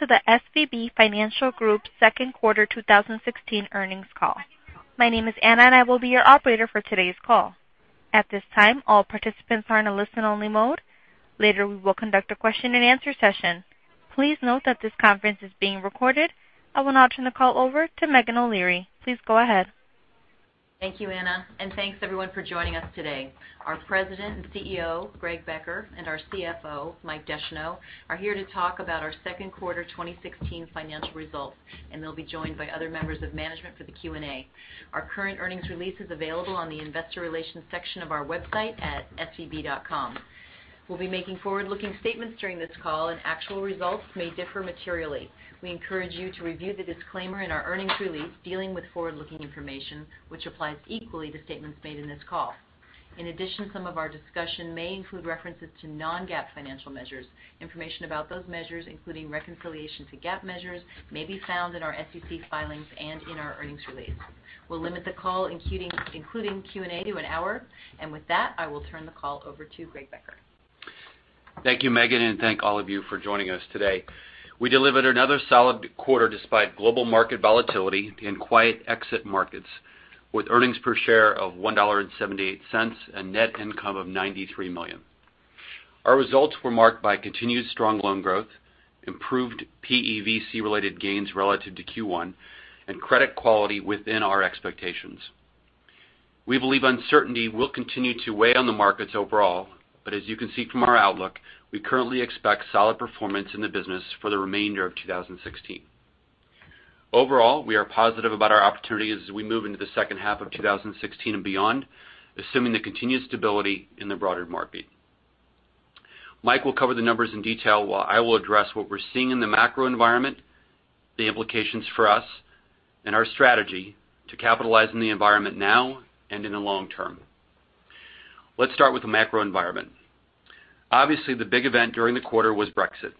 Welcome to the SVB Financial Group second quarter 2016 earnings call. My name is Anna and I will be your operator for today's call. At this time, all participants are in a listen-only mode. Later, we will conduct a question and answer session. Please note that this conference is being recorded. I will now turn the call over to Meghan O'Leary. Please go ahead. Thank you, Anna, and thanks everyone for joining us today. Our president and CEO, Greg Becker, and our CFO, Mike Descheneaux, are here to talk about our second quarter 2016 financial results, and they'll be joined by other members of management for the Q&A. Our current earnings release is available on the investor relations section of our website at svb.com. We'll be making forward-looking statements during this call, and actual results may differ materially. We encourage you to review the disclaimer in our earnings release dealing with forward-looking information, which applies equally to statements made in this call. In addition, some of our discussion may include references to non-GAAP financial measures. Information about those measures, including reconciliation to GAAP measures, may be found in our SEC filings and in our earnings release. We'll limit the call, including Q&A, to an hour. With that, I will turn the call over to Greg Becker. Thank you, Meghan, and thank all of you for joining us today. We delivered another solid quarter despite global market volatility in quiet exit markets with earnings per share of $1.78 and net income of $93 million. Our results were marked by continued strong loan growth, improved PEVC-related gains relative to Q1, and credit quality within our expectations. We believe uncertainty will continue to weigh on the markets overall, but as you can see from our outlook, we currently expect solid performance in the business for the remainder of 2016. Overall, we are positive about our opportunities as we move into the second half of 2016 and beyond, assuming the continued stability in the broader market. Mike will cover the numbers in detail while I will address what we're seeing in the macro environment, the implications for us, and our strategy to capitalize on the environment now and in the long term. Let's start with the macro environment. Obviously, the big event during the quarter was Brexit,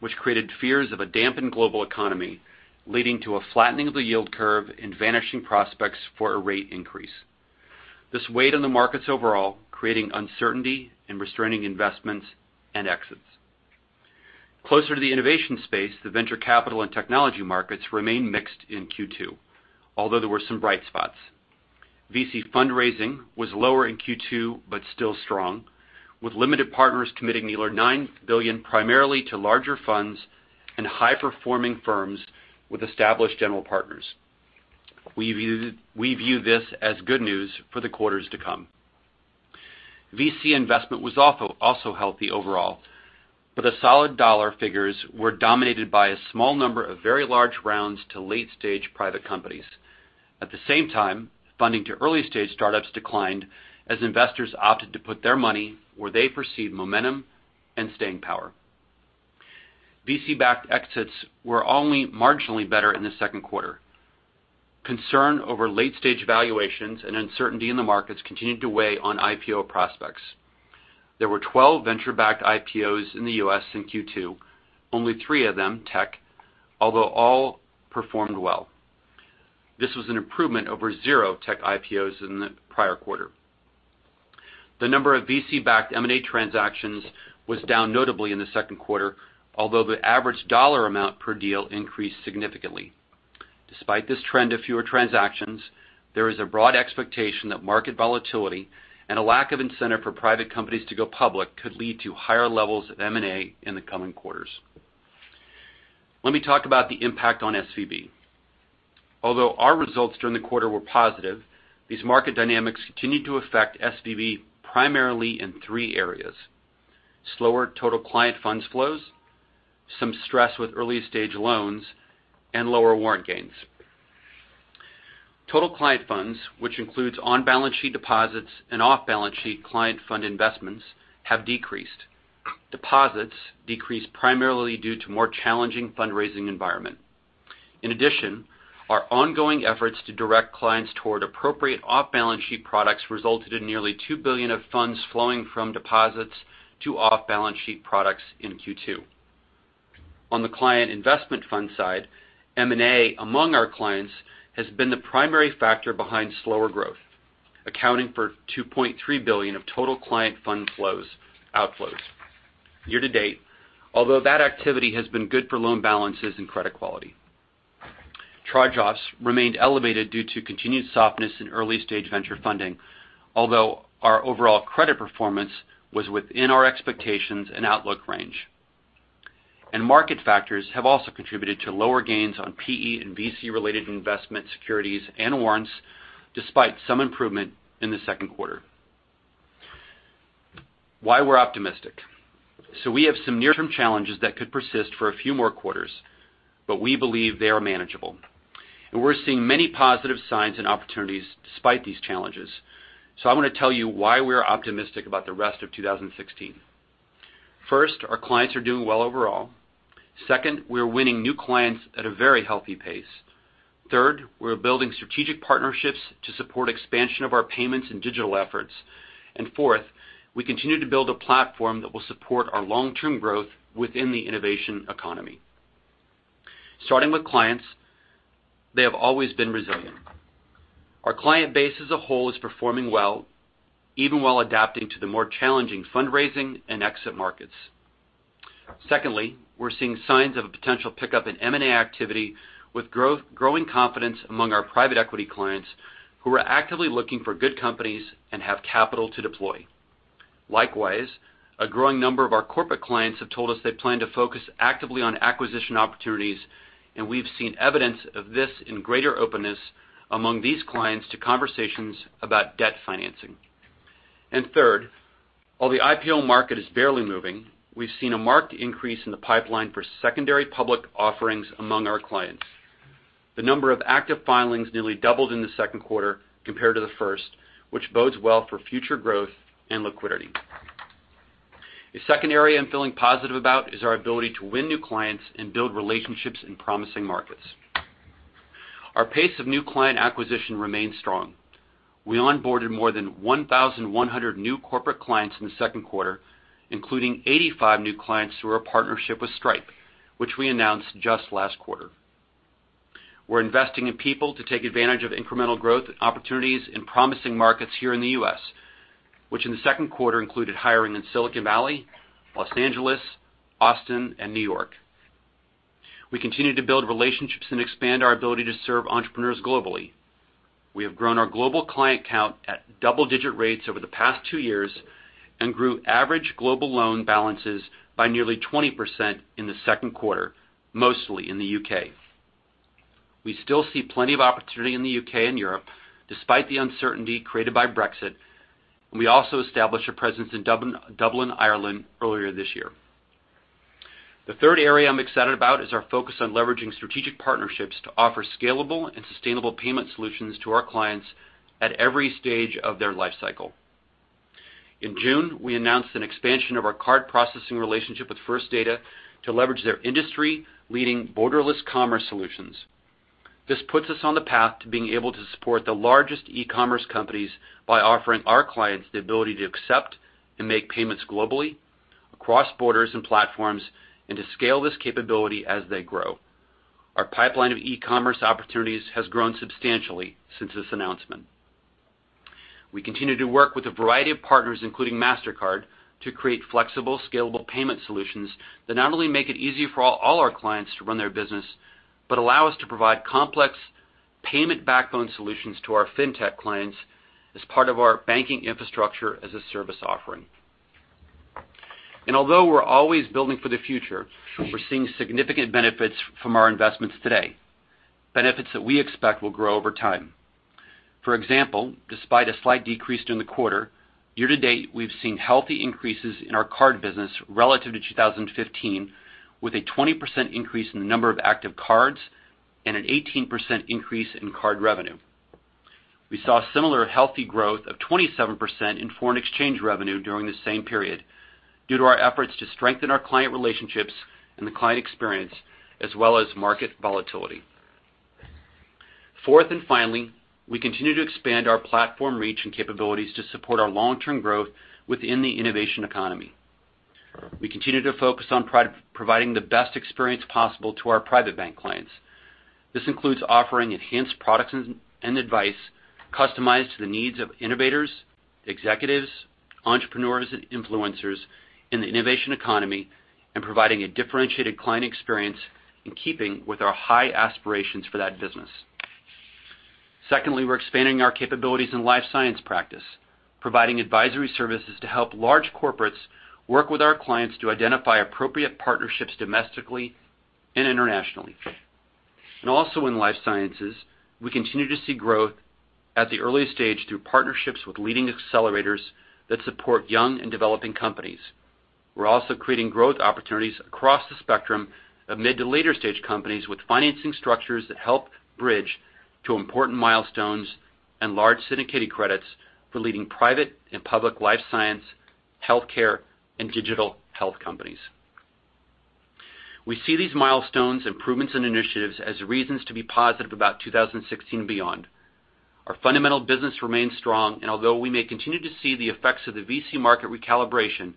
which created fears of a dampened global economy, leading to a flattening of the yield curve and vanishing prospects for a rate increase. This weighed on the markets overall, creating uncertainty and restraining investments and exits. Closer to the innovation space, the venture capital and technology markets remained mixed in Q2, although there were some bright spots. VC fundraising was lower in Q2 but still strong, with limited partners committing nearly $9 billion primarily to larger funds and high-performing firms with established general partners. We view this as good news for the quarters to come. VC investment was also healthy overall, but the solid dollar figures were dominated by a small number of very large rounds to late-stage private companies. At the same time, funding to early-stage startups declined as investors opted to put their money where they perceived momentum and staying power. VC-backed exits were only marginally better in the second quarter. Concern over late-stage valuations and uncertainty in the markets continued to weigh on IPO prospects. There were 12 venture-backed IPOs in the U.S. in Q2, only three of them tech, although all performed well. This was an improvement over zero tech IPOs in the prior quarter. The number of VC-backed M&A transactions was down notably in the second quarter, although the average dollar amount per deal increased significantly. Despite this trend of fewer transactions, there is a broad expectation that market volatility and a lack of incentive for private companies to go public could lead to higher levels of M&A in the coming quarters. Let me talk about the impact on SVB. Although our results during the quarter were positive, these market dynamics continued to affect SVB primarily in three areas: slower total client funds flows, some stress with early-stage loans, and lower warrant gains. Total client funds, which includes on-balance sheet deposits and off-balance sheet client fund investments, have decreased. Deposits decreased primarily due to more challenging fundraising environment. In addition, our ongoing efforts to direct clients toward appropriate off-balance sheet products resulted in nearly $2 billion of funds flowing from deposits to off-balance sheet products in Q2. On the client investment fund side, M&A among our clients has been the primary factor behind slower growth, accounting for $2.3 billion of total client fund outflows year to date, although that activity has been good for loan balances and credit quality. Charge-offs remained elevated due to continued softness in early-stage venture funding, although our overall credit performance was within our expectations and outlook range. Market factors have also contributed to lower gains on PE and VC-related investment securities and warrants, despite some improvement in the second quarter. Why we're optimistic. We have some near-term challenges that could persist for a few more quarters, but we believe they are manageable. We're seeing many positive signs and opportunities despite these challenges. I want to tell you why we're optimistic about the rest of 2016. First, our clients are doing well overall. Second, we're winning new clients at a very healthy pace. Third, we're building strategic partnerships to support expansion of our payments and digital efforts. Fourth, we continue to build a platform that will support our long-term growth within the innovation economy. Starting with clients, they have always been resilient. Our client base as a whole is performing well, even while adapting to the more challenging fundraising and exit markets. Second, we're seeing signs of a potential pickup in M&A activity with growing confidence among our private equity clients who are actively looking for good companies and have capital to deploy. Likewise, a growing number of our corporate clients have told us they plan to focus actively on acquisition opportunities, and we've seen evidence of this in greater openness among these clients to conversations about debt financing. Third, while the IPO market is barely moving, we've seen a marked increase in the pipeline for secondary public offerings among our clients. The number of active filings nearly doubled in the second quarter compared to the first, which bodes well for future growth and liquidity. The second area I'm feeling positive about is our ability to win new clients and build relationships in promising markets. Our pace of new client acquisition remains strong. We onboarded more than 1,100 new corporate clients in the second quarter, including 85 new clients through our partnership with Stripe, which we announced just last quarter. We're investing in people to take advantage of incremental growth opportunities in promising markets here in the U.S., which in the second quarter included hiring in Silicon Valley, Los Angeles, Austin, and New York. We continue to build relationships and expand our ability to serve entrepreneurs globally. We have grown our global client count at double-digit rates over the past two years and grew average global loan balances by nearly 20% in the second quarter, mostly in the U.K. We still see plenty of opportunity in the U.K. and Europe, despite the uncertainty created by Brexit, and we also established a presence in Dublin, Ireland earlier this year. The third area I'm excited about is our focus on leveraging strategic partnerships to offer scalable and sustainable payment solutions to our clients at every stage of their life cycle. In June, we announced an expansion of our card processing relationship with First Data to leverage their industry-leading borderless commerce solutions. This puts us on the path to being able to support the largest e-commerce companies by offering our clients the ability to accept and make payments globally, across borders and platforms, and to scale this capability as they grow. Our pipeline of e-commerce opportunities has grown substantially since this announcement. We continue to work with a variety of partners, including Mastercard, to create flexible, scalable payment solutions that not only make it easy for all our clients to run their business but allow us to provide complex payment backbone solutions to our fintech clients as part of our banking infrastructure-as-a-service offering. Although we're always building for the future, we're seeing significant benefits from our investments today, benefits that we expect will grow over time. For example, despite a slight decrease during the quarter, year to date, we've seen healthy increases in our card business relative to 2015, with a 20% increase in the number of active cards and an 18% increase in card revenue. We saw similar healthy growth of 27% in foreign exchange revenue during the same period due to our efforts to strengthen our client relationships and the client experience, as well as market volatility. Fourth, finally, we continue to expand our platform reach and capabilities to support our long-term growth within the innovation economy. We continue to focus on providing the best experience possible to our private bank clients. This includes offering enhanced products and advice customized to the needs of innovators, executives, entrepreneurs, and influencers in the innovation economy and providing a differentiated client experience in keeping with our high aspirations for that business. Secondly, we're expanding our capabilities in life science practice, providing advisory services to help large corporates work with our clients to identify appropriate partnerships domestically and internationally. Also in life sciences, we continue to see growth at the early stage through partnerships with leading accelerators that support young and developing companies. We're also creating growth opportunities across the spectrum of mid to later stage companies with financing structures that help bridge to important milestones and large syndicated credits for leading private and public life science, healthcare, and digital health companies. We see these milestones, improvements, and initiatives as reasons to be positive about 2016 and beyond. Our fundamental business remains strong, although we may continue to see the effects of the VC market recalibration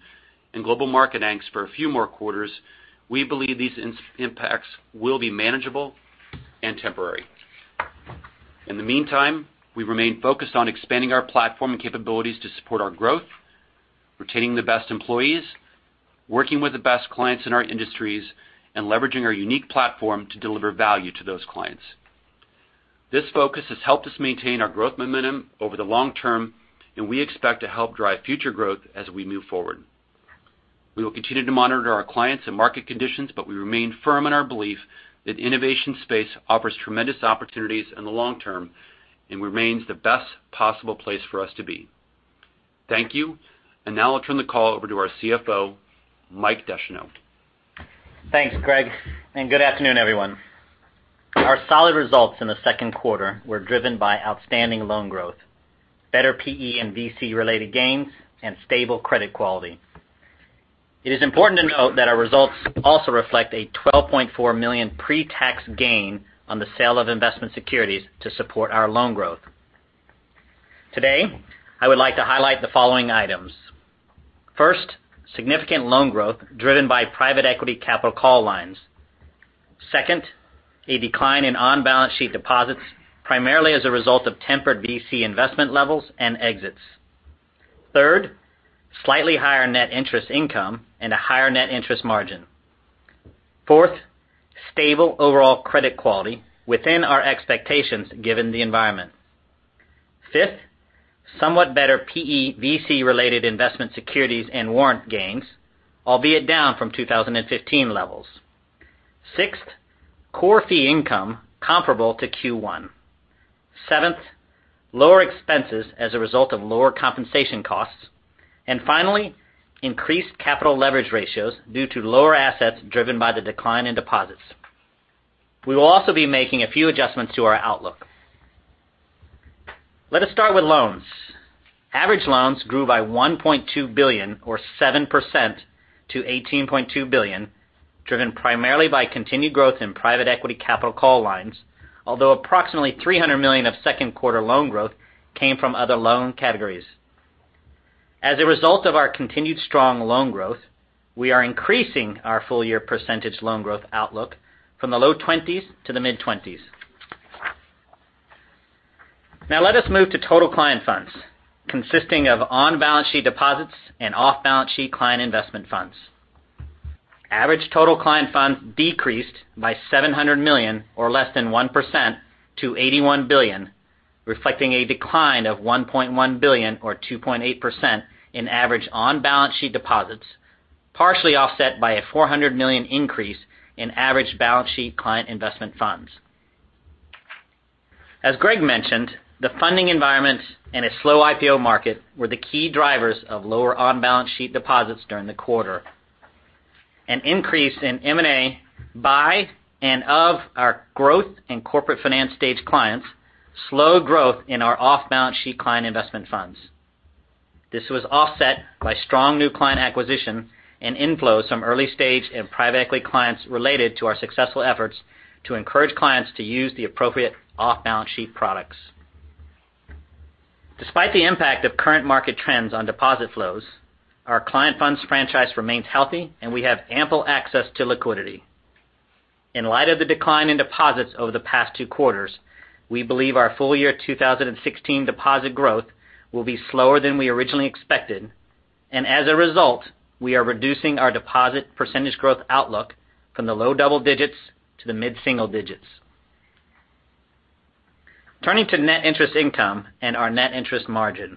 and global market angst for a few more quarters, we believe these impacts will be manageable and temporary. In the meantime, we remain focused on expanding our platform and capabilities to support our growth, retaining the best employees, working with the best clients in our industries, leveraging our unique platform to deliver value to those clients. This focus has helped us maintain our growth momentum over the long term. We expect to help drive future growth as we move forward. We will continue to monitor our clients and market conditions, but we remain firm in our belief that innovation space offers tremendous opportunities in the long term and remains the best possible place for us to be. Thank you. Now I'll turn the call over to our CFO, Mike Descheneaux. Thanks, Greg. Good afternoon, everyone. Our solid results in the second quarter were driven by outstanding loan growth, better PE and VC-related gains, and stable credit quality. It is important to note that our results also reflect a $12.4 million pre-tax gain on the sale of investment securities to support our loan growth. Today, I would like to highlight the following items. First, significant loan growth driven by private equity capital call lines. Second, a decline in on-balance sheet deposits, primarily as a result of tempered VC investment levels and exits. Third, slightly higher net interest income and a higher net interest margin. Fourth, stable overall credit quality within our expectations given the environment. Fifth, somewhat better PE VC-related investment securities and warrant gains, albeit down from 2015 levels. Sixth, core fee income comparable to Q1. Seventh, lower expenses as a result of lower compensation costs. Increased capital leverage ratios due to lower assets driven by the decline in deposits. We will also be making a few adjustments to our outlook. Let us start with loans. Average loans grew by $1.2 billion or 7% to $18.2 billion, driven primarily by continued growth in private equity capital call lines, although approximately $300 million of second quarter loan growth came from other loan categories. As a result of our continued strong loan growth, we are increasing our full year percentage loan growth outlook from the low 20s to the mid-20s. Let us move to total client funds consisting of on-balance sheet deposits and off-balance sheet client investment funds. Average total client funds decreased by $700 million or less than 1% to $81 billion, reflecting a decline of $1.1 billion or 2.8% in average on-balance sheet deposits, partially offset by a $400 million increase in average balance sheet client investment funds. As Greg mentioned, the funding environment and a slow IPO market were the key drivers of lower on-balance sheet deposits during the quarter. An increase in M&A by and of our growth and corporate finance stage clients slowed growth in our off-balance sheet client investment funds. This was offset by strong new client acquisition and inflows from early stage and private equity clients related to our successful efforts to encourage clients to use the appropriate off-balance sheet products. Despite the impact of current market trends on deposit flows, our client funds franchise remains healthy, and we have ample access to liquidity. In light of the decline in deposits over the past two quarters, we believe our full year 2016 deposit growth will be slower than we originally expected, as a result, we are reducing our deposit percentage growth outlook from the low double digits to the mid-single digits. Turning to net interest income and our net interest margin.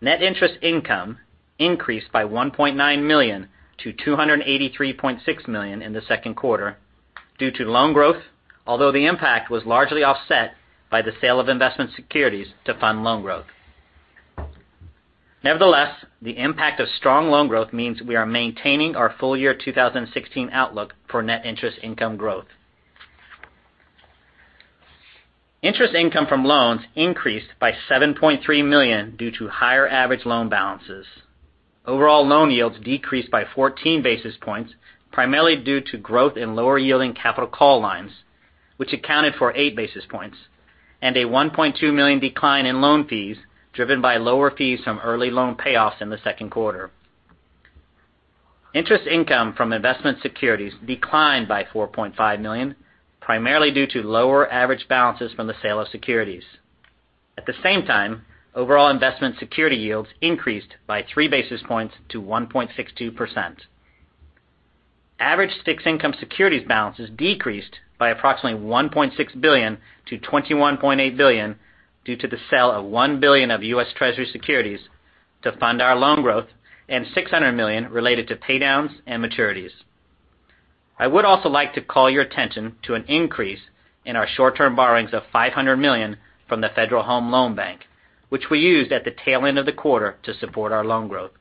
Net interest income increased by $1.9 million to $283.6 million in the second quarter due to loan growth, although the impact was largely offset by the sale of investment securities to fund loan growth. Nevertheless, the impact of strong loan growth means we are maintaining our full year 2016 outlook for net interest income growth. Interest income from loans increased by $7.3 million due to higher average loan balances. Overall loan yields decreased by 14 basis points, primarily due to growth in lower yielding capital call lines, which accounted for eight basis points and a $1.2 million decline in loan fees, driven by lower fees from early loan payoffs in the second quarter. Interest income from investment securities declined by $4.5 million, primarily due to lower average balances from the sale of securities. At the same time, overall investment security yields increased by three basis points to 1.62%. Average fixed income securities balances decreased by approximately $1.6 billion to $21.8 billion due to the sale of $1 billion of U.S. Treasury securities to fund our loan growth and $600 million related to paydowns and maturities. I would also like to call your attention to an increase in our short-term borrowings of $500 million from the Federal Home Loan Bank, which we used at the tail end of the quarter to support our loan growth.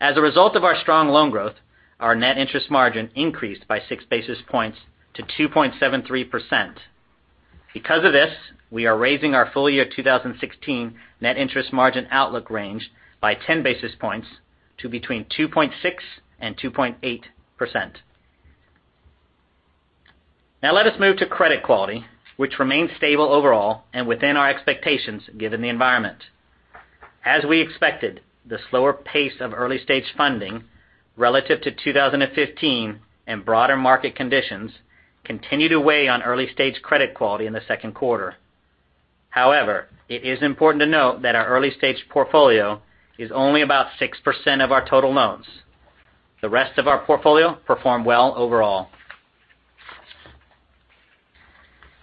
As a result of our strong loan growth, our net interest margin increased by six basis points to 2.73%. Because of this, we are raising our full year 2016 net interest margin outlook range by 10 basis points to between 2.6% and 2.8%. Now let us move to credit quality, which remains stable overall and within our expectations given the environment. As we expected, the slower pace of early stage funding relative to 2015 and broader market conditions continued to weigh on early stage credit quality in the second quarter. However, it is important to note that our early stage portfolio is only about 6% of our total loans. The rest of our portfolio performed well overall.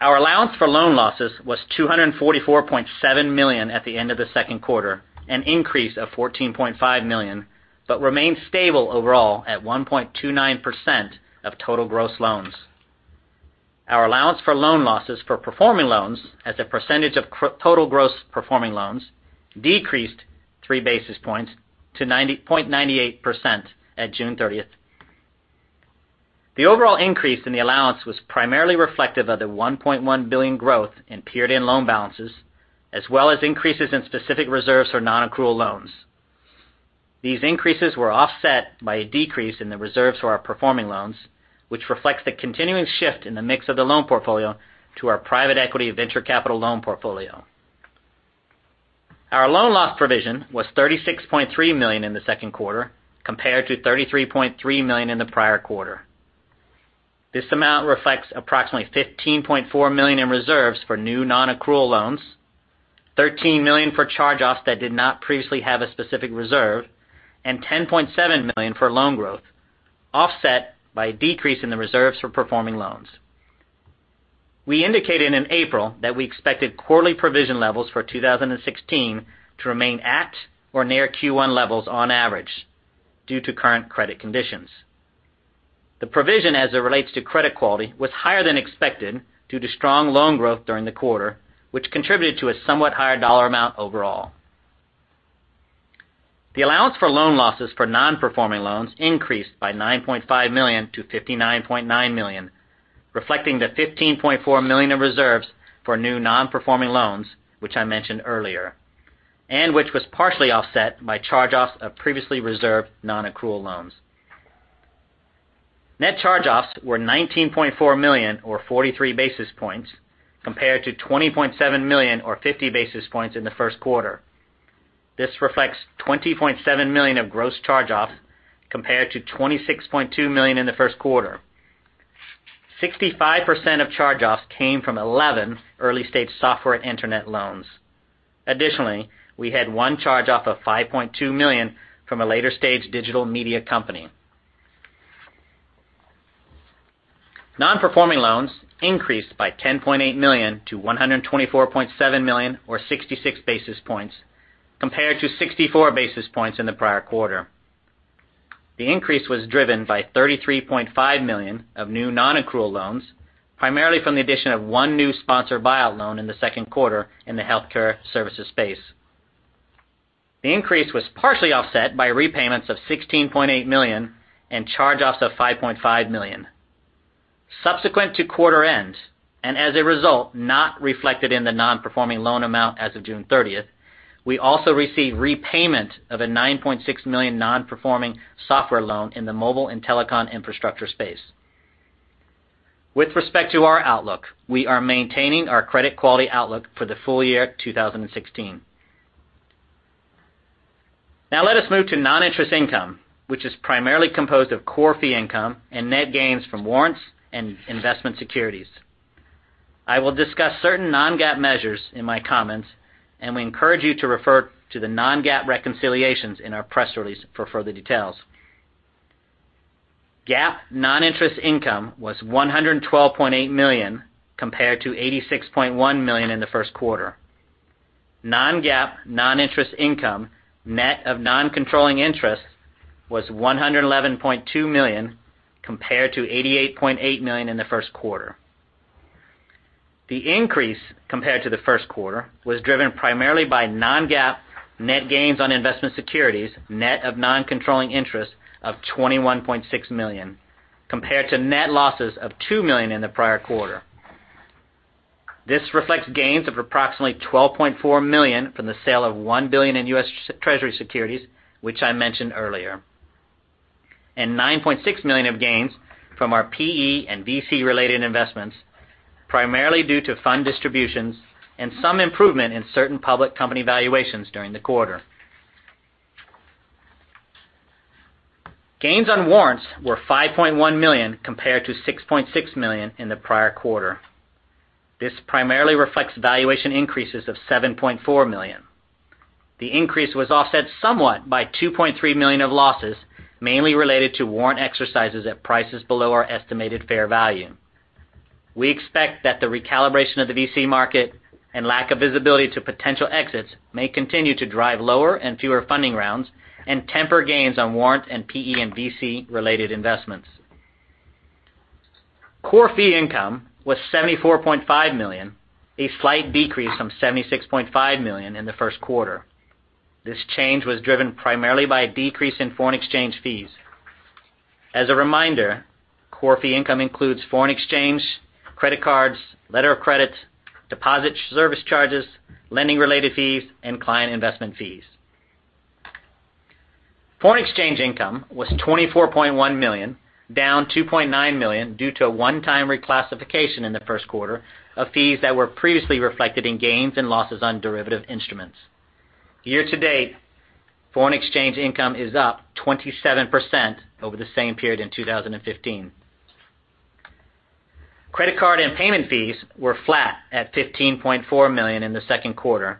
Our allowance for loan losses was $244.7 million at the end of the second quarter, an increase of $14.5 million, but remains stable overall at 1.29% of total gross loans. Our allowance for loan losses for performing loans as a percentage of total gross performing loans decreased three basis points to 0.98% at June 30th. The overall increase in the allowance was primarily reflective of the $1.1 billion growth in period-end loan balances, as well as increases in specific reserves for non-accrual loans. These increases were offset by a decrease in the reserves for our performing loans, which reflects the continuing shift in the mix of the loan portfolio to our private equity venture capital loan portfolio. Our loan loss provision was $36.3 million in the second quarter, compared to $33.3 million in the prior quarter. This amount reflects approximately $15.4 million in reserves for new non-accrual loans, $13 million for charge-offs that did not previously have a specific reserve, and $10.7 million for loan growth, offset by a decrease in the reserves for performing loans. We indicated in April that we expected quarterly provision levels for 2016 to remain at or near Q1 levels on average due to current credit conditions. The provision as it relates to credit quality was higher than expected due to strong loan growth during the quarter, which contributed to a somewhat higher dollar amount overall. The allowance for loan losses for non-performing loans increased by $9.5 million to $59.9 million, reflecting the $15.4 million in reserves for new non-performing loans, which I mentioned earlier, and which was partially offset by charge-offs of previously reserved non-accrual loans. Net charge-offs were $19.4 million, or 43 basis points, compared to $20.7 million or 50 basis points in the first quarter. This reflects $20.7 million of gross charge-offs compared to $26.2 million in the first quarter. 65% of charge-offs came from 11 early-stage software and internet loans. Additionally, we had one charge-off of $5.2 million from a later stage digital media company. Non-performing loans increased by $10.8 million to $124.7 million or 66 basis points, compared to 64 basis points in the prior quarter. The increase was driven by $33.5 million of new non-accrual loans, primarily from the addition of one new sponsored buyout loan in the second quarter in the healthcare services space. The increase was partially offset by repayments of $16.8 million and charge-offs of $5.5 million. Subsequent to quarter end, and as a result, not reflected in the non-performing loan amount as of June 30th, we also received repayment of a $9.6 million non-performing software loan in the mobile and telecom infrastructure space. With respect to our outlook, we are maintaining our credit quality outlook for the full year 2016. Let us move to non-interest income, which is primarily composed of core fee income and net gains from warrants and investment securities. I will discuss certain non-GAAP measures in my comments, and we encourage you to refer to the non-GAAP reconciliations in our press release for further details. GAAP non-interest income was $112.8 million, compared to $86.1 million in the first quarter. Non-GAAP non-interest income, net of non-controlling interest, was $111.2 million, compared to $88.8 million in the first quarter. The increase compared to the first quarter was driven primarily by non-GAAP net gains on investment securities, net of non-controlling interest of $21.6 million, compared to net losses of $2 million in the prior quarter. This reflects gains of approximately $12.4 million from the sale of $1 billion in U.S. Treasury securities, which I mentioned earlier, and $9.6 million of gains from our PE and VC related investments, primarily due to fund distributions and some improvement in certain public company valuations during the quarter. Gains on warrants were $5.1 million compared to $6.6 million in the prior quarter. This primarily reflects valuation increases of $7.4 million. The increase was offset somewhat by $2.3 million of losses, mainly related to warrant exercises at prices below our estimated fair value. We expect that the recalibration of the VC market and lack of visibility to potential exits may continue to drive lower and fewer funding rounds and temper gains on warrants and PE and VC related investments. Core fee income was $74.5 million, a slight decrease from $76.5 million in the first quarter. This change was driven primarily by a decrease in foreign exchange fees. As a reminder, core fee income includes foreign exchange, credit cards, letter of credits, deposit service charges, lending related fees, and client investment fees. Foreign exchange income was $24.1 million, down $2.9 million due to a one-time reclassification in the first quarter of fees that were previously reflected in gains and losses on derivative instruments. Year to date, foreign exchange income is up 27% over the same period in 2015. Credit card and payment fees were flat at $15.4 million in the second quarter,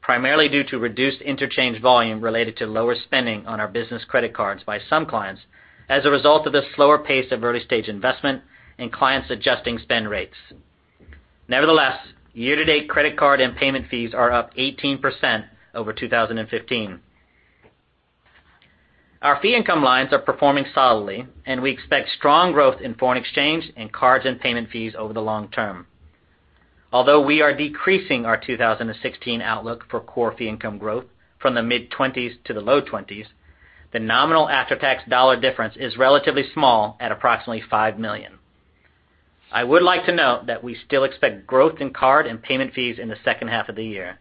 primarily due to reduced interchange volume related to lower spending on our business credit cards by some clients as a result of the slower pace of early stage investment and clients adjusting spend rates. Nevertheless, year to date credit card and payment fees are up 18% over 2015. Our fee income lines are performing solidly, and we expect strong growth in foreign exchange and cards and payment fees over the long term. Although we are decreasing our 2016 outlook for Core fee income growth from the mid-20s to the low 20s, the nominal after-tax dollar difference is relatively small at approximately $5 million. I would like to note that we still expect growth in card and payment fees in the second half of the year.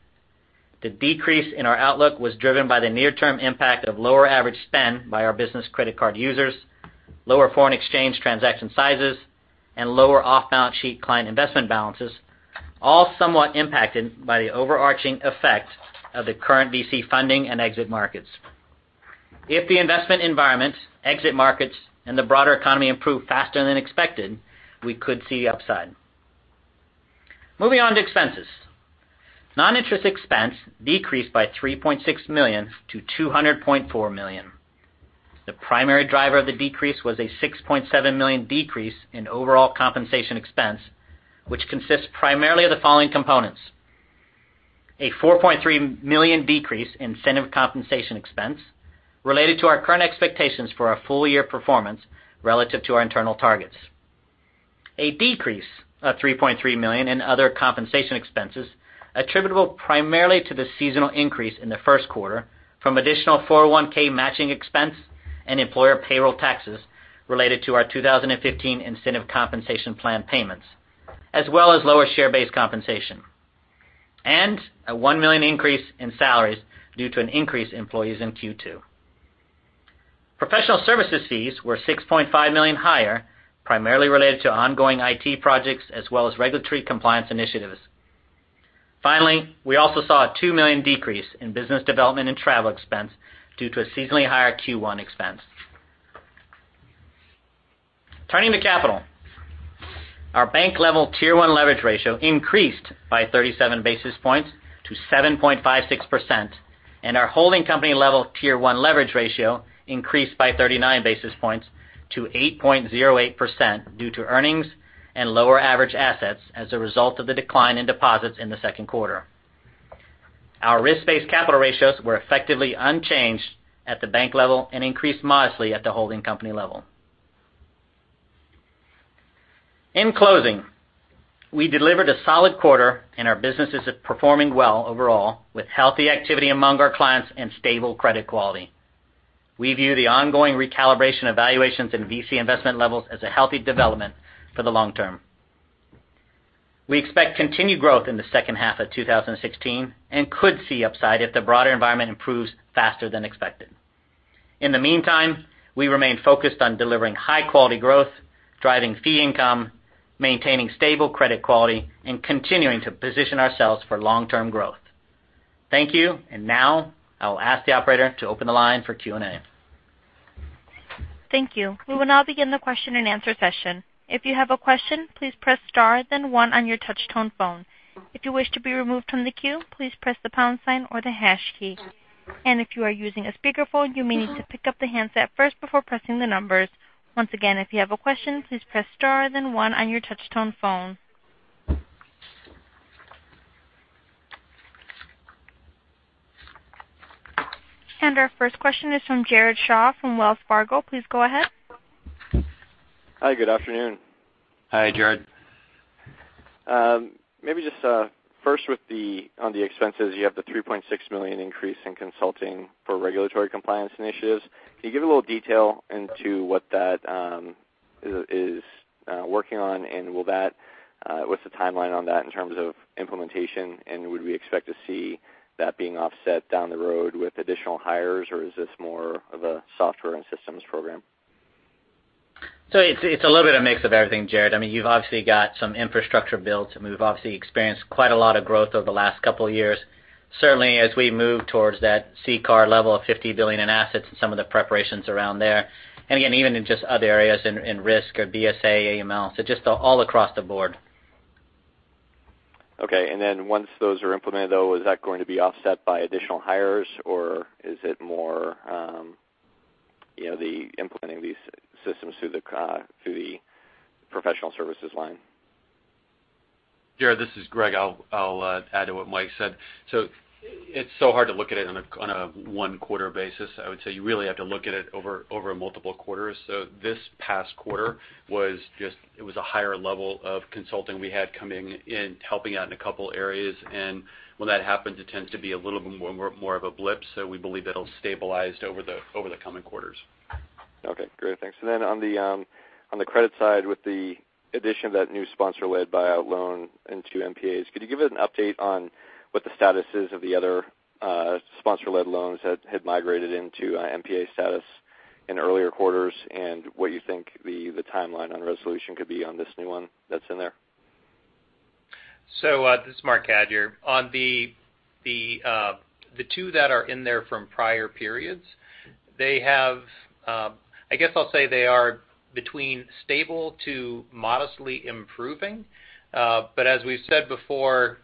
The decrease in our outlook was driven by the near term impact of lower average spend by our business credit card users. Lower foreign exchange transaction sizes and lower off-balance sheet client investment balances, all somewhat impacted by the overarching effect of the current VC funding and exit markets. If the investment environments, exit markets, and the broader economy improve faster than expected, we could see upside. Moving on to expenses. Non-interest expense decreased by $3.6 million to $200.4 million. The primary driver of the decrease was a $6.7 million decrease in overall compensation expense, which consists primarily of the following components: A $4.3 million decrease in incentive compensation expense related to our current expectations for our full-year performance relative to our internal targets. A decrease of $3.3 million in other compensation expenses attributable primarily to the seasonal increase in the first quarter from additional 401 matching expense and employer payroll taxes related to our 2015 incentive compensation plan payments, as well as lower share-based compensation. A $1 million increase in salaries due to an increase in employees in Q2. Professional services fees were $6.5 million higher, primarily related to ongoing IT projects as well as regulatory compliance initiatives. Finally, we also saw a $2 million decrease in business development and travel expense due to a seasonally higher Q1 expense. Turning to capital. Our bank-level Tier 1 leverage ratio increased by 37 basis points to 7.56%, and our holding company level Tier 1 leverage ratio increased by 39 basis points to 8.08% due to earnings and lower average assets as a result of the decline in deposits in the second quarter. Our risk-based capital ratios were effectively unchanged at the bank level and increased modestly at the holding company level. In closing, we delivered a solid quarter, and our business is performing well overall, with healthy activity among our clients and stable credit quality. We view the ongoing recalibration of valuations and VC investment levels as a healthy development for the long term. We expect continued growth in the second half of 2016 and could see upside if the broader environment improves faster than expected. In the meantime, we remain focused on delivering high-quality growth, driving fee income, maintaining stable credit quality, and continuing to position ourselves for long term growth. Thank you, and now I'll ask the operator to open the line for Q&A. Thank you. We will now begin the question-and-answer session. If you have a question, please press star then one on your touch-tone phone. If you wish to be removed from the queue, please press the pound sign or the hash key. If you are using a speakerphone, you may need to pick up the handset first before pressing the numbers. Once again, if you have a question, please press star then one on your touch-tone phone. Our first question is from Jared Shaw from Wells Fargo. Please go ahead. Hi, good afternoon. Hi, Jared. Maybe just first on the expenses, you have the $3.6 million increase in consulting for regulatory compliance initiatives. Can you give a little detail into what that is working on, and what's the timeline on that in terms of implementation, and would we expect to see that being offset down the road with additional hires, or is this more of a software and systems program? It's a little bit of a mix of everything, Jared. You've obviously got some infrastructure builds, and we've obviously experienced quite a lot of growth over the last couple of years. Certainly, as we move towards that CCAR level of $50 billion in assets and some of the preparations around there, and again, even in just other areas in risk or BSA, AML, so just all across the board. Okay. Then once those are implemented, though, is that going to be offset by additional hires, or is it more the implementing these systems through the professional services line? Jared, this is Greg. I'll add to what Mike said. It's so hard to look at it on a one-quarter basis. I would say you really have to look at it over multiple quarters. This past quarter was just a higher level of consulting we had coming in, helping out in a couple areas. When that happens, it tends to be a little bit more of a blip. We believe it'll stabilize over the coming quarters. Okay, great. Thanks. Then on the credit side with the addition of that new sponsor-led buyout loan into NPAs, could you give us an update on what the status is of the other sponsor-led loans that had migrated into NPA status in earlier quarters and what you think the timeline on resolution could be on this new one that's in there? This is Marc Cadieux. On the two that are in there from prior periods, I guess I'll say they are between stable to modestly improving. As we've said before,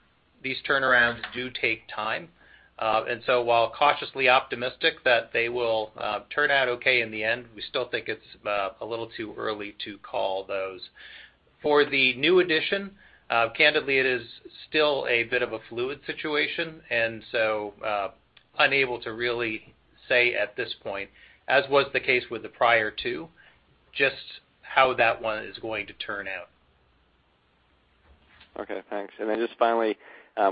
these turnarounds do take time. While cautiously optimistic that they will turn out okay in the end, we still think it's a little too early to call those. For the new addition, candidly, it is still a bit of a fluid situation, unable to really say at this point, as was the case with the prior two, just how that one is going to turn out. Just finally,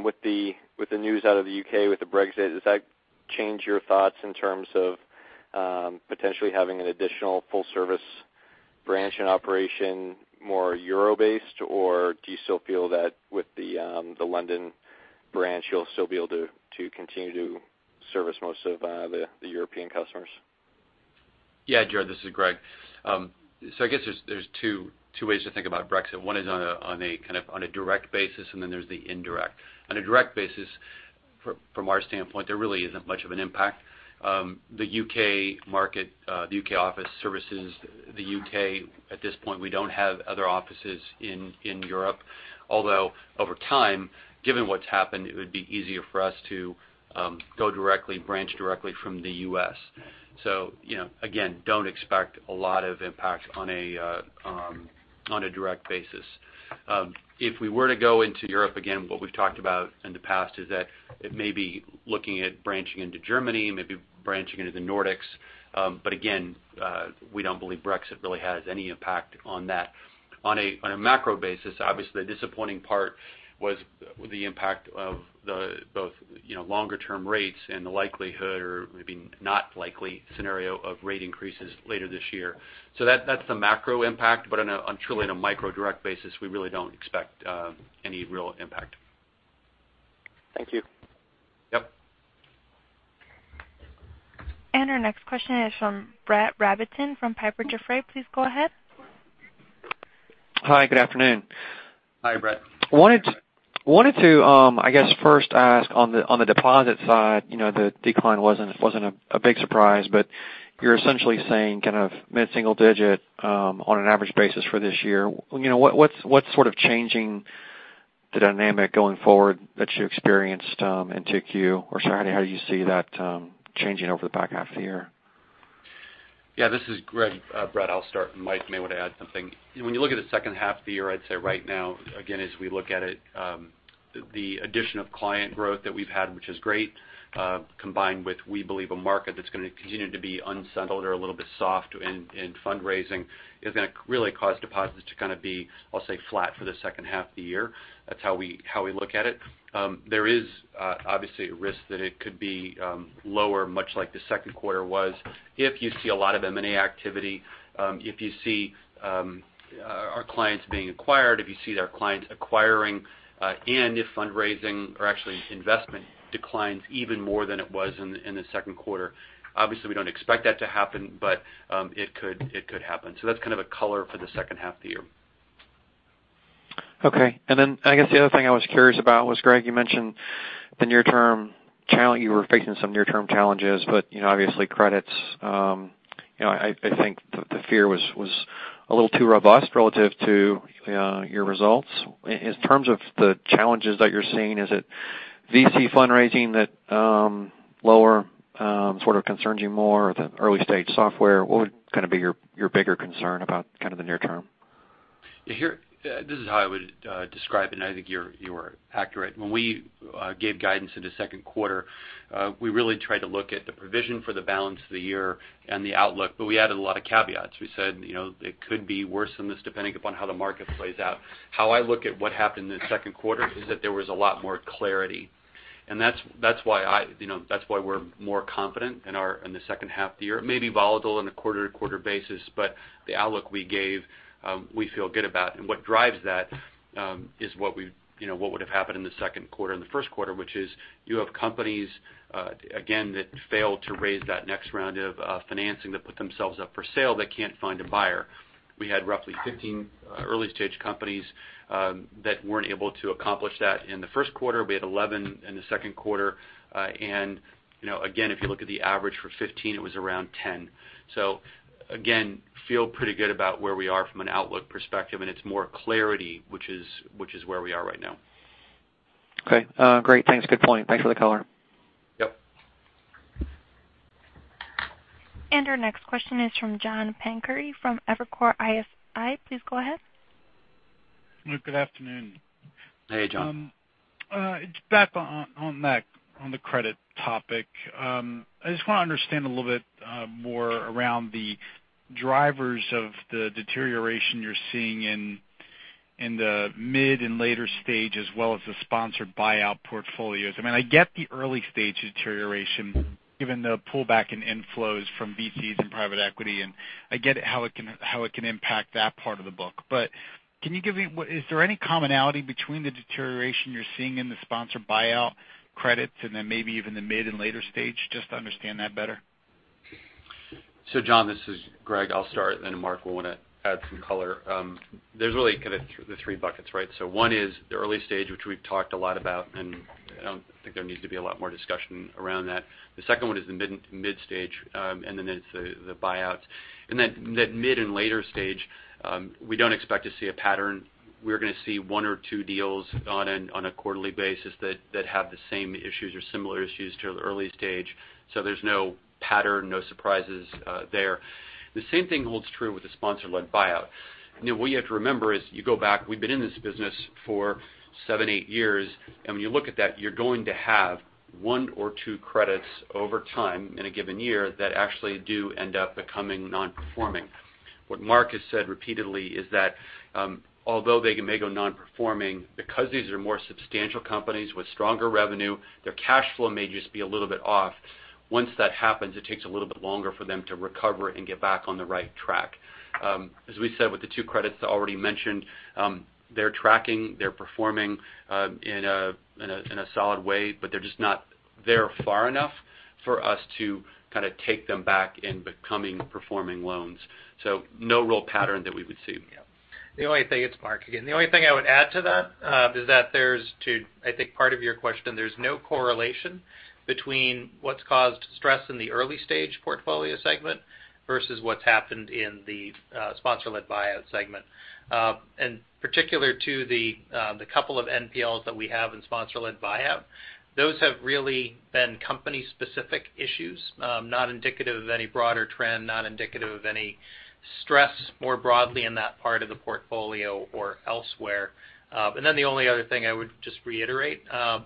with the news out of the U.K. with the Brexit, does that change your thoughts in terms of potentially having an additional full-service branch and operation more euro-based, or do you still feel that with the London branch, you'll still be able to continue to service most of the European customers? Yeah, Jared, this is Greg. I guess there's two ways to think about Brexit. One is on a kind of direct basis, and then there's the indirect. On a direct basis, from our standpoint, there really isn't much of an impact. The U.K. market, the U.K. office services, the U.K. at this point, we don't have other offices in Europe, although over time, given what's happened, it would be easier for us to go directly, branch directly from the U.S. Again, don't expect a lot of impact on a direct basis. If we were to go into Europe again, what we've talked about in the past is that it may be looking at branching into Germany, maybe branching into the Nordics. Again, we don't believe Brexit really has any impact on that. On a macro basis, obviously the disappointing part was the impact of both longer-term rates and the likelihood, or maybe not likely scenario of rate increases later this year. That's the macro impact. Truly on a micro direct basis, we really don't expect any real impact. Thank you. Yep. Our next question is from Brett Robinson from Piper Jaffray. Please go ahead. Hi, good afternoon. Hi, Brett. I wanted to, I guess first ask on the deposit side, the decline wasn't a big surprise, but you're essentially saying kind of mid-single digit, on an average basis for this year. What's sort of changing the dynamic going forward that you experienced in 2Q? How do you see that changing over the back half of the year? Yeah, this is Greg. Brett, I'll start, and Mike may want to add something. When you look at the second half of the year, I'd say right now, again, as we look at it, the addition of client growth that we've had, which is great, combined with we believe a market that's going to continue to be unsettled or a little bit soft in fundraising, is going to really cause deposits to kind of be, I'll say, flat for the second half of the year. That's how we look at it. There is obviously a risk that it could be lower, much like the second quarter was. If you see a lot of M&A activity, if you see our clients being acquired, if you see their clients acquiring, and if fundraising or actually investment declines even more than it was in the second quarter. Obviously, we don't expect that to happen, but it could happen. That's kind of a color for the second half of the year. Okay. I guess the other thing I was curious about was, Greg, you mentioned you were facing some near-term challenges, but obviously credits, I think the fear was a little too robust relative to your results. In terms of the challenges that you're seeing, is it VC fundraising that lower sort of concerns you more than early-stage software? What would kind of be your bigger concern about kind of the near term? This is how I would describe it, and I think you're accurate. When we gave guidance in the second quarter, we really tried to look at the provision for the balance of the year and the outlook, but we added a lot of caveats. We said, "It could be worse than this, depending upon how the market plays out." How I look at what happened in the second quarter is that there was a lot more clarity. That's why we're more confident in the second half of the year. It may be volatile on a quarter-to-quarter basis, but the outlook we gave, we feel good about. What drives that is what would have happened in the second quarter and the first quarter, which is you have companies, again, that failed to raise that next round of financing to put themselves up for sale that can't find a buyer. We had roughly 15 early-stage companies that weren't able to accomplish that in the first quarter. We had 11 in the second quarter. Again, if you look at the average for 15, it was around 10. Again, feel pretty good about where we are from an outlook perspective, and it's more clarity, which is where we are right now. Okay. Great. Thanks. Good point. Thanks for the color. Yep. Our next question is from John Pancari from Evercore ISI. Please go ahead. Good afternoon. Hey, John. Just back on the credit topic. I just want to understand a little bit more around the drivers of the deterioration you're seeing in the mid and later stage as well as the sponsored buyout portfolios. I get the early-stage deterioration given the pullback in inflows from VCs and private equity, and I get how it can impact that part of the book. Is there any commonality between the deterioration you're seeing in the sponsored buyout credits and then maybe even the mid and later stage, just to understand that better? John, this is Greg. I'll start, then Marc will want to add some color. There's really kind of the three buckets, right? One is the early stage, which we've talked a lot about, and I don't think there needs to be a lot more discussion around that. The second one is the mid stage, and then it's the buyouts. That mid and later stage, we don't expect to see a pattern. We're going to see one or two deals on a quarterly basis that have the same issues or similar issues to the early stage. There's no pattern, no surprises there. The same thing holds true with the sponsor-led buyout. What you have to remember is you go back, we've been in this business for seven, eight years, and when you look at that, you're going to have one or two credits over time in a given year that actually do end up becoming non-performing. What Marc has said repeatedly is that although they may go non-performing because these are more substantial companies with stronger revenue, their cash flow may just be a little bit off. Once that happens, it takes a little bit longer for them to recover and get back on the right track. As we said, with the two credits already mentioned, they're tracking, they're performing in a solid way, but they're just not there far enough for us to take them back in becoming performing loans. No real pattern that we would see. It's Marc again. The only thing I would add to that is that there's, I think part of your question, there's no correlation between what's caused stress in the early-stage portfolio segment versus what's happened in the sponsor-led buyout segment. Particular to the couple of NPLs that we have in sponsor-led buyout, those have really been company-specific issues, not indicative of any broader trend, not indicative of any stress more broadly in that part of the portfolio or elsewhere. The only other thing I would just reiterate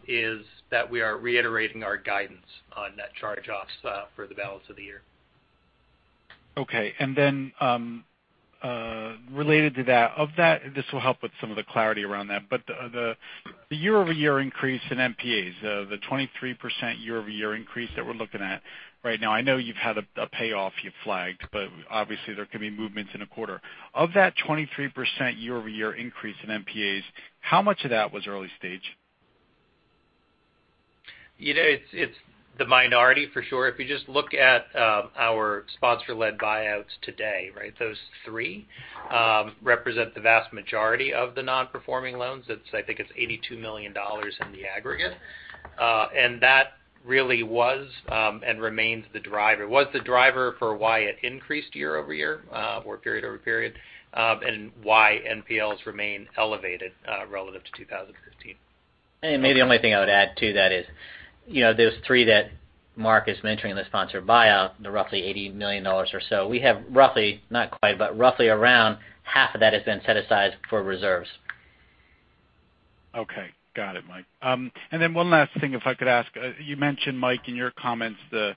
is that we are reiterating our guidance on net charge-offs for the balance of the year. Okay. Related to that, this will help with some of the clarity around that, but the year-over-year increase in NPAs, the 23% year-over-year increase that we're looking at right now. I know you've had a payoff you flagged, but obviously there can be movements in a quarter. Of that 23% year-over-year increase in NPAs, how much of that was early stage? It's the minority for sure. If you just look at our sponsor-led buyouts today, those three represent the vast majority of the non-performing loans. I think it's $82 million in the aggregate. That really was, and remains the driver. It was the driver for why it increased year-over-year, or period-over-period, why NPLs remain elevated relative to 2015. Maybe the only thing I would add to that is, those three that Marc is mentioning, the sponsored buyout, the roughly $80 million or so, we have roughly, not quite, but roughly around half of that has been set aside for reserves. Got it, Mike. One last thing, if I could ask. You mentioned, Mike, in your comments, the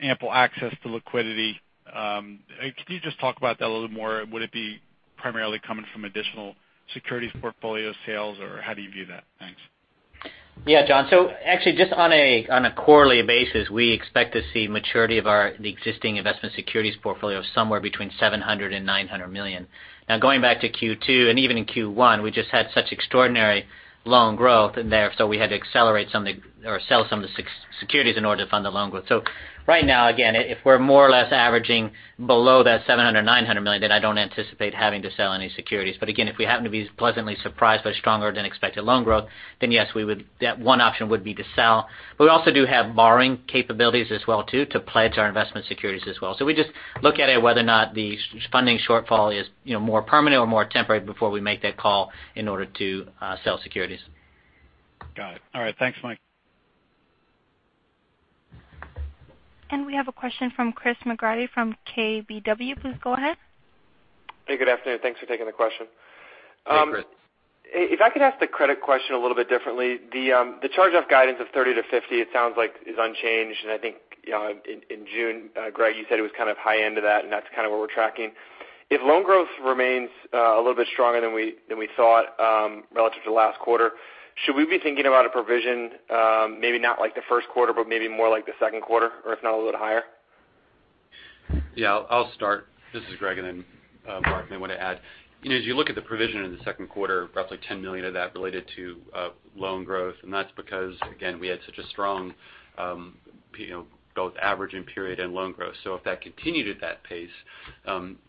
ample access to liquidity. Could you just talk about that a little more? Would it be primarily coming from additional securities portfolio sales, or how do you view that? Thanks. Yeah, John. Actually, just on a quarterly basis, we expect to see maturity of the existing investment securities portfolio somewhere between $700 million and $900 million. Going back to Q2, and even in Q1, we just had such extraordinary loan growth, and therefore we had to accelerate some or sell some of the securities in order to fund the loan growth. Right now, again, if we're more or less averaging below that $700 million, $900 million, then I don't anticipate having to sell any securities. Again, if we happen to be pleasantly surprised by stronger than expected loan growth, then yes, one option would be to sell. We also do have borrowing capabilities as well too, to pledge our investment securities as well. We just look at it whether or not the funding shortfall is more permanent or more temporary before we make that call in order to sell securities. Got it. All right. Thanks, Mike. We have a question from Chris McGratty from KBW. Please go ahead. Hey, good afternoon. Thanks for taking the question. Hey, Chris. If I could ask the credit question a little bit differently, the charge-off guidance of 30-50, it sounds like is unchanged. I think in June, Greg, you said it was kind of high end of that, and that's kind of where we're tracking. If loan growth remains a little bit stronger than we thought relative to last quarter, should we be thinking about a provision maybe not like the first quarter, but maybe more like the second quarter, or if not, a little bit higher? I'll start. This is Greg, and then Marc may want to add. As you look at the provision in the second quarter, roughly $10 million of that related to loan growth. That's because, again, we had such a strong both average in period and loan growth. If that continued at that pace,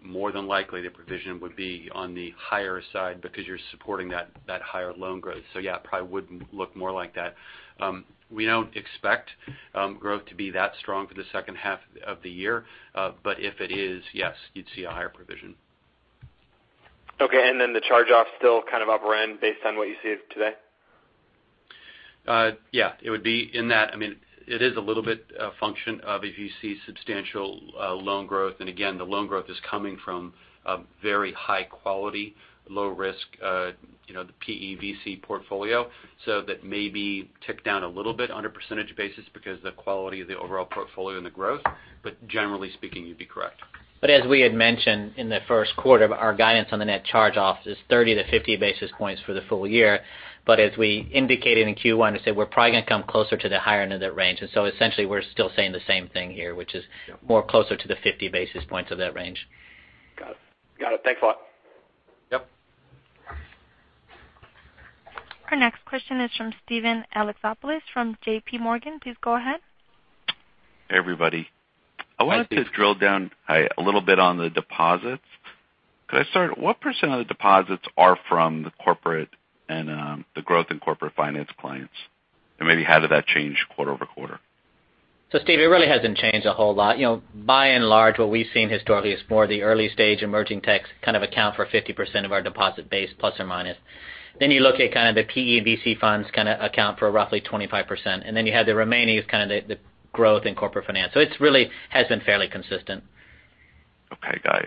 more than likely the provision would be on the higher side because you're supporting that higher loan growth. Yeah, it probably would look more like that. We don't expect growth to be that strong for the second half of the year. If it is, yes, you'd see a higher provision. Okay. The charge-off still kind of upper end based on what you see today? Yeah. It would be in that. It is a little bit a function of if you see substantial loan growth, again, the loan growth is coming from a very high quality, low risk, the PE/VC portfolio. That may be ticked down a little bit on a percentage basis because the quality of the overall portfolio and the growth. Generally speaking, you'd be correct. As we had mentioned in the first quarter, our guidance on the net charge-offs is 30 to 50 basis points for the full year. As we indicated in Q1, I said we're probably going to come closer to the higher end of that range. Essentially, we're still saying the same thing here, which is more closer to the 50 basis points of that range. Got it. Thanks a lot. Yep. Our next question is from Steven Alexopoulos from JPMorgan. Please go ahead. Hey, everybody. I wanted to drill down a little bit on the deposits. Could I start, what % of the deposits are from the corporate and the growth in corporate finance clients? Maybe how did that change quarter-over-quarter? Steve, it really hasn't changed a whole lot. By and large, what we've seen historically is more the early stage emerging techs kind of account for 50% of our deposit base, plus or minus. You look at kind of the PE/VC funds kind of account for roughly 25%, then you have the remaining is kind of the growth in corporate finance. It really has been fairly consistent. Okay, got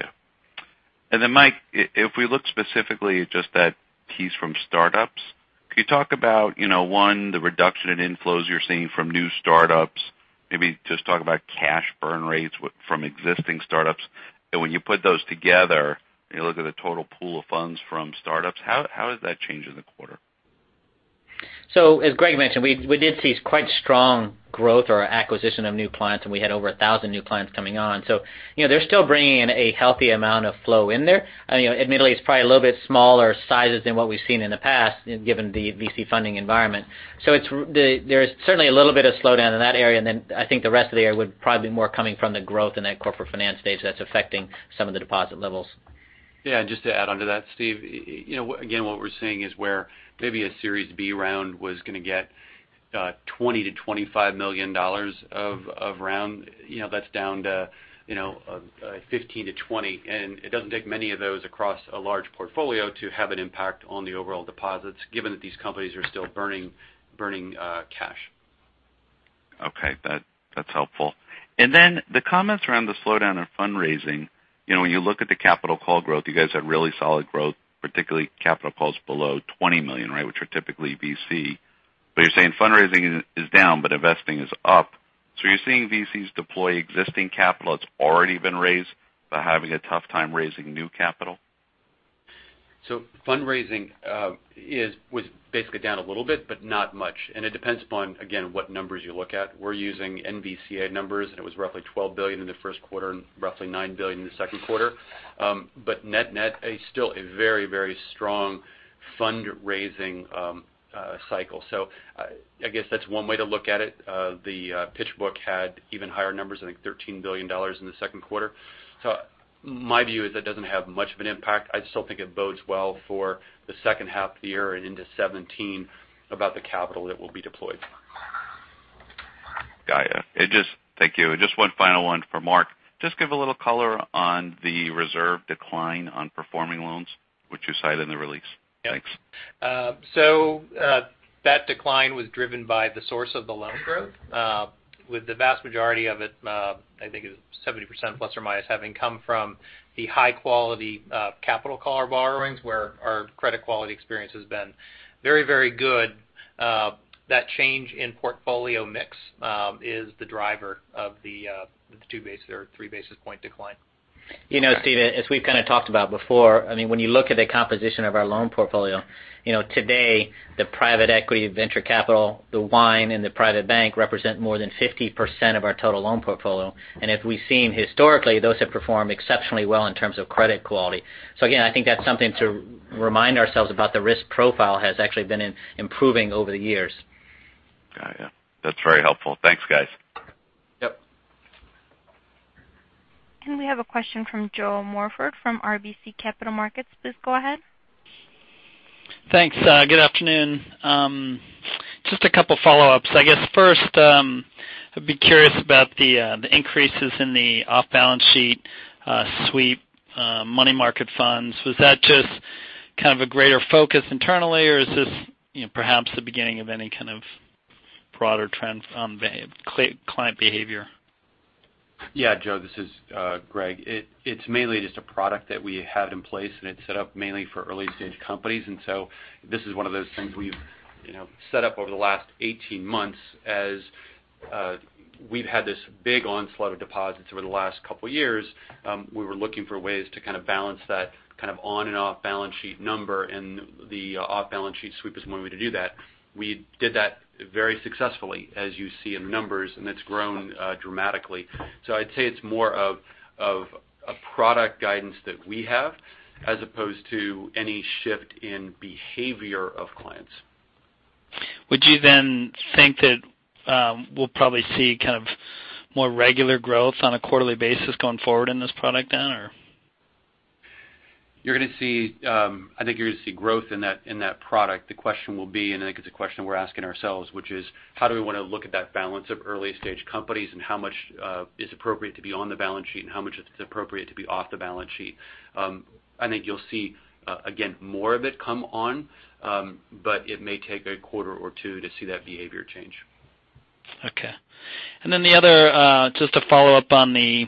you. Mike, if we look specifically at just that piece from startups, could you talk about, one, the reduction in inflows you're seeing from new startups, maybe just talk about cash burn rates from existing startups. When you put those together and you look at the total pool of funds from startups, how does that change in the quarter? As Greg mentioned, we did see quite strong growth or acquisition of new clients, we had over 1,000 new clients coming on. They're still bringing in a healthy amount of flow in there. Admittedly, it's probably a little bit smaller sizes than what we've seen in the past, given the VC funding environment. There's certainly a little bit of slowdown in that area, I think the rest of the area would probably be more coming from the growth in that corporate finance space that's affecting some of the deposit levels. Yeah, just to add onto that, Steven, again, what we're seeing is where maybe a Series B round was going to get $20 million-$25 million of round, that's down to $15 million-$20 million. It doesn't take many of those across a large portfolio to have an impact on the overall deposits, given that these companies are still burning cash. Okay. That's helpful. The comments around the slowdown in fundraising. When you look at the capital call growth, you guys had really solid growth, particularly capital calls below $20 million. Which are typically VC. You're saying fundraising is down, but investing is up. You're seeing VCs deploy existing capital that's already been raised, but having a tough time raising new capital? Fundraising was basically down a little bit, but not much. It depends upon, again, what numbers you look at. We're using NVCA numbers, and it was roughly $12 billion in the first quarter and roughly $9 billion in the second quarter. Net, a still a very strong fundraising cycle. I guess that's one way to look at it. PitchBook had even higher numbers, I think $13 billion in the second quarter. My view is that doesn't have much of an impact. I still think it bodes well for the second half of the year and into 2017 about the capital that will be deployed. Got it. Thank you. Just one final one for Marc. Just give a little color on the reserve decline on performing loans, which you cite in the release. Thanks. That decline was driven by the source of the loan growth. With the vast majority of it, I think it was 70% plus or minus, having come from the high-quality capital caller borrowings where our credit quality experience has been very good. That change in portfolio mix is the driver of the two basis or three basis point decline. Steven, as we've kind of talked about before, when you look at the composition of our loan portfolio, today the private equity, venture capital, the wine, and the private bank represent more than 50% of our total loan portfolio. As we've seen historically, those have performed exceptionally well in terms of credit quality. Again, I think that's something to remind ourselves about the risk profile has actually been improving over the years. Got it. That's very helpful. Thanks, guys. Yep. We have a question from Joe Morford from RBC Capital Markets. Please go ahead. Thanks. Good afternoon. Just a couple follow-ups. I guess first, I'd be curious about the increases in the off-balance sheet sweep money market funds. Was that just kind of a greater focus internally, or is this perhaps the beginning of any kind of broader trends on client behavior? Yeah. Joe, this is Greg. It's mainly just a product that we had in place, and it's set up mainly for early-stage companies. This is one of those things we've set up over the last 18 months as we've had this big onslaught of deposits over the last couple of years. We were looking for ways to kind of balance that on and off-balance sheet number, and the off-balance sheet sweep is one way to do that. We did that very successfully, as you see in numbers, and it's grown dramatically. I'd say it's more of a product guidance that we have as opposed to any shift in behavior of clients. Would you think that we'll probably see more regular growth on a quarterly basis going forward in this product then, or? I think you're going to see growth in that product. The question will be, and I think it's a question we're asking ourselves, which is how do we want to look at that balance of early-stage companies and how much is appropriate to be on the balance sheet and how much is appropriate to be off the balance sheet? I think you'll see, again, more of it come on, but it may take a quarter or two to see that behavior change. Okay. The other, just a follow-up on the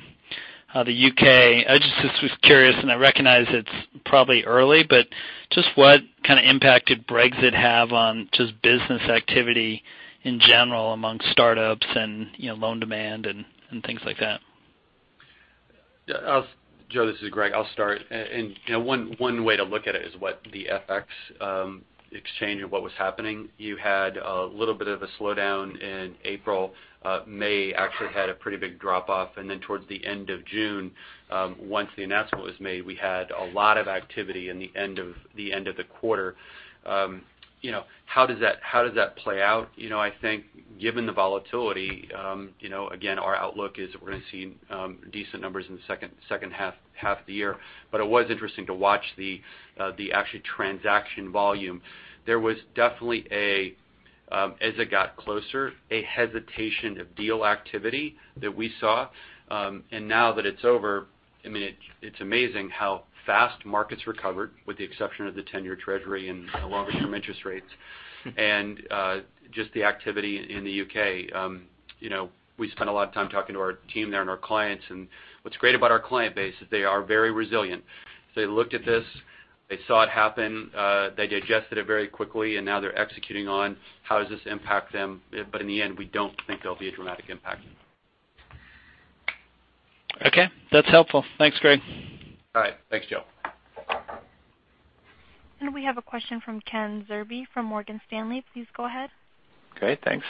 U.K. I just was curious, and I recognize it's probably early, but just what kind of impact did Brexit have on just business activity in general amongst startups and loan demand and things like that? Joe, this is Greg. I'll start. One way to look at it is what the FX exchange and what was happening. You had a little bit of a slowdown in April. May actually had a pretty big drop off. Towards the end of June, once the announcement was made, we had a lot of activity in the end of the quarter. How does that play out? I think given the volatility again, our outlook is that we're going to see decent numbers in the second half of the year. It was interesting to watch the actual transaction volume. There was definitely a, as it got closer, a hesitation of deal activity that we saw. Now that it's over, it's amazing how fast markets recovered with the exception of the 10-year treasury and longer-term interest rates and just the activity in the U.K. We spent a lot of time talking to our team there and our clients, what's great about our client base is they are very resilient. They looked at this, they saw it happen, they digested it very quickly, and now they're executing on how does this impact them. In the end, we don't think there'll be a dramatic impact. Okay. That's helpful. Thanks, Greg. All right. Thanks, Joe. We have a question from Ken Zerbe from Morgan Stanley. Please go ahead. Okay, thanks.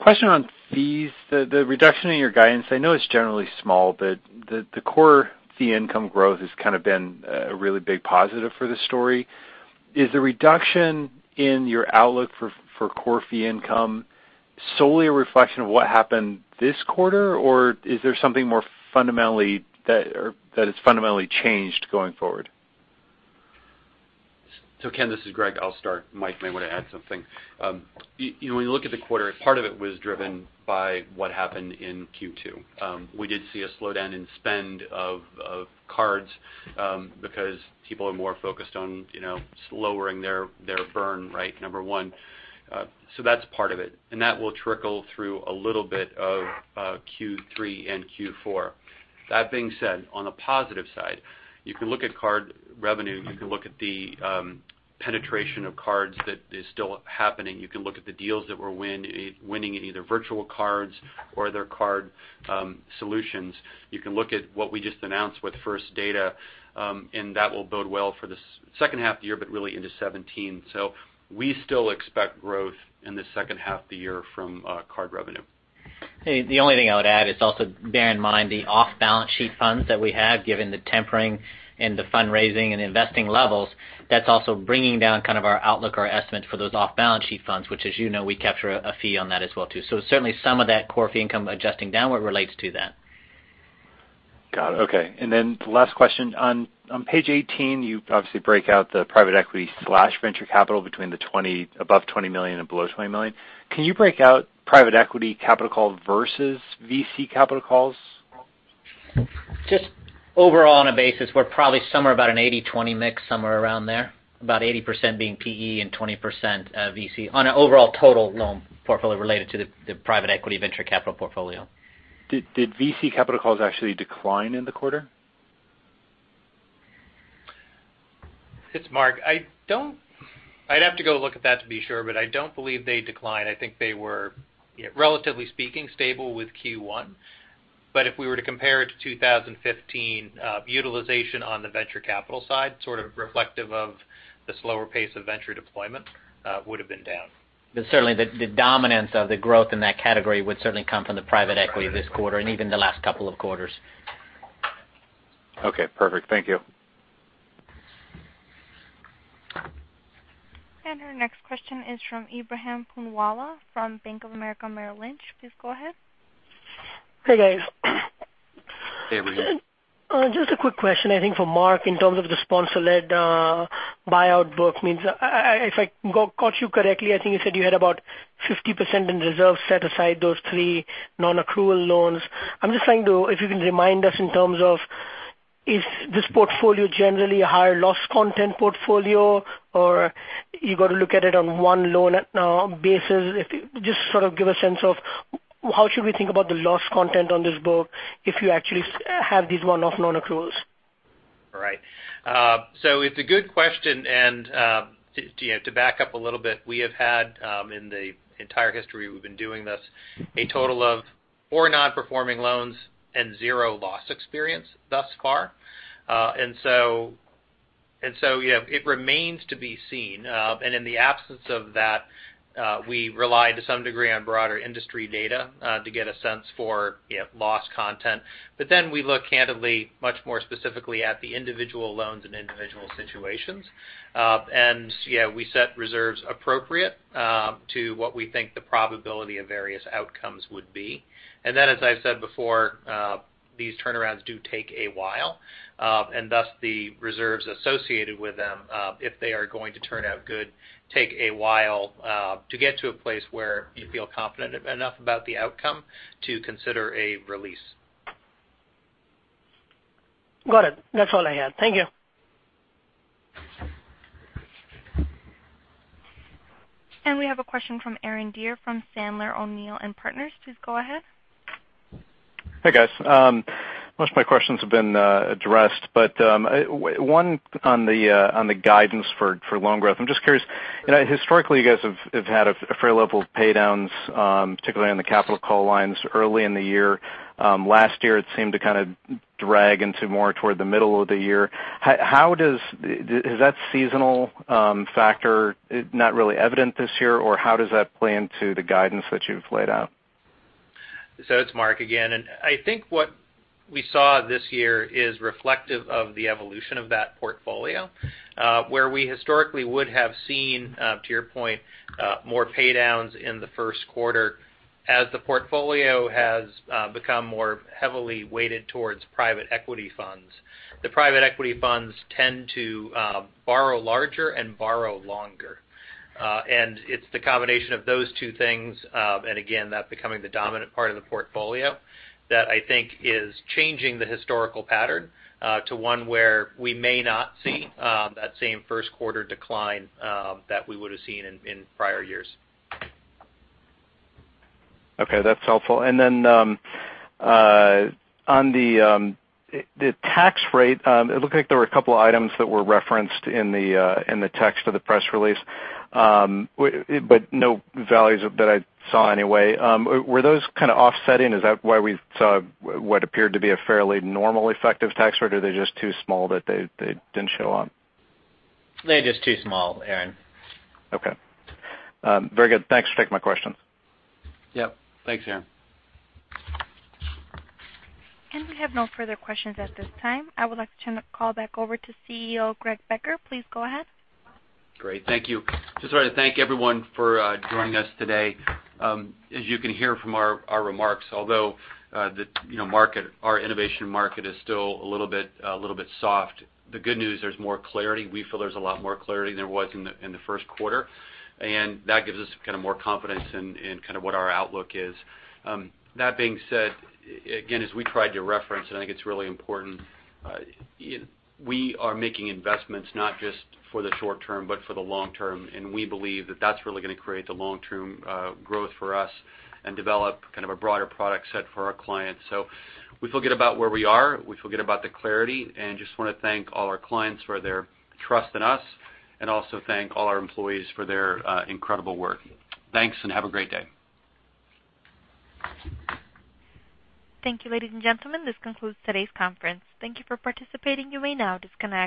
Question on fees. The reduction in your guidance, I know it's generally small, but the core fee income growth has kind of been a really big positive for this story. Is the reduction in your outlook for core fee income solely a reflection of what happened this quarter, or is there something that has fundamentally changed going forward? Ken, this is Greg. I'll start. Mike may want to add something. When you look at the quarter, part of it was driven by what happened in Q2. We did see a slowdown in spend of cards because people are more focused on lowering their burn, number one. That's part of it. That will trickle through a little bit of Q3 and Q4. That being said, on the positive side, you can look at card revenue. You can look at the penetration of cards that is still happening. You can look at the deals that we're winning in either virtual cards or other card solutions. You can look at what we just announced with First Data, and that will bode well for the second half of the year, but really into 2017. We still expect growth in the second half of the year from card revenue. The only thing I would add is also bear in mind the off-balance sheet funds that we have, given the tempering in the fundraising and investing levels. That's also bringing down kind of our outlook or estimates for those off-balance sheet funds, which as you know, we capture a fee on that as well too. Certainly some of that core fee income adjusting downward relates to that. Got it. Okay. Then the last question, on page 18, you obviously break out the private equity/venture capital between above $20 million and below $20 million. Can you break out private equity capital call versus VC capital calls? Just overall on a basis, we're probably somewhere about an 80/20 mix, somewhere around there. About 80% being PE and 20% VC on an overall total loan portfolio related to the private equity venture capital portfolio. Did VC capital calls actually decline in the quarter? It's Marc. I'd have to go look at that to be sure. I don't believe they declined. I think they were, relatively speaking, stable with Q1. If we were to compare it to 2015, utilization on the venture capital side, sort of reflective of the slower pace of venture deployment, would've been down. Certainly the dominance of the growth in that category would certainly come from the private equity this quarter and even the last couple of quarters. Okay, perfect. Thank you. Our next question is from Ebrahim Poonawala from Bank of America Merrill Lynch. Please go ahead. Hey, guys. Hey, Ebrahim. Just a quick question, I think for Marc, in terms of the sponsor-led buyout book means. If I caught you correctly, I think you said you had about 50% in reserves set aside those three non-accrual loans. I'm just trying to, if you can remind us in terms of, is this portfolio generally a higher loss content portfolio, or you got to look at it on one loan basis? Just sort of give a sense of how should we think about the loss content on this book if you actually have these one-off non-accruals. It's a good question. To back up a little bit, we have had, in the entire history we've been doing this, a total of four non-performing loans and zero loss experience thus far. It remains to be seen. In the absence of that, we rely to some degree on broader industry data to get a sense for loss content. We look candidly much more specifically at the individual loans and individual situations. Yeah, we set reserves appropriate to what we think the probability of various outcomes would be. As I've said before, these turnarounds do take a while. Thus the reserves associated with them, if they are going to turn out good, take a while to get to a place where you feel confident enough about the outcome to consider a release. Got it. That's all I had. Thank you. We have a question from Aaron Deer from Sandler O'Neill & Partners. Please go ahead. Hey, guys. Most of my questions have been addressed. One on the guidance for loan growth. I'm just curious. Historically, you guys have had a fair level of paydowns, particularly on the capital call lines early in the year. Last year, it seemed to kind of drag into more toward the middle of the year. Is that seasonal factor not really evident this year, or how does that play into the guidance that you've laid out? It's Marc again. I think what we saw this year is reflective of the evolution of that portfolio. Where we historically would have seen, to your point, more paydowns in the first quarter. As the portfolio has become more heavily weighted towards private equity funds, the private equity funds tend to borrow larger and borrow longer. It's the combination of those two things, and again, that becoming the dominant part of the portfolio, that I think is changing the historical pattern to one where we may not see that same first quarter decline that we would've seen in prior years. Okay, that's helpful. On the tax rate, it looked like there were a couple items that were referenced in the text of the press release. No values that I saw anyway. Were those kind of offsetting? Is that why we saw what appeared to be a fairly normal effective tax rate, or are they just too small that they didn't show up? They're just too small, Aaron. Okay. Very good. Thanks for taking my questions. Yep. Thanks, Aaron Deer. We have no further questions at this time. I would like to turn the call back over to CEO Greg Becker. Please go ahead. Great. Thank you. Just wanted to thank everyone for joining us today. As you can hear from our remarks, although our innovation market is still a little bit soft, the good news, there's more clarity. We feel there's a lot more clarity than there was in the first quarter, and that gives us kind of more confidence in kind of what our outlook is. That being said, again, as we tried to reference, and I think it's really important, we are making investments not just for the short term, but for the long term. We believe that that's really going to create the long-term growth for us and develop kind of a broader product set for our clients. We feel good about where we are. We feel good about the clarity and just want to thank all our clients for their trust in us, and also thank all our employees for their incredible work. Thanks, and have a great day. Thank you, ladies and gentlemen. This concludes today's conference. Thank you for participating. You may now disconnect.